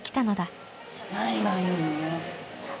何がいい？